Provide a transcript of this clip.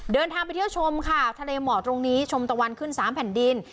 เดินทางไปเที่ยวชมค่ะทะเลหมอกตรงนี้ชมตะวันขึ้น๓แผ่นดิน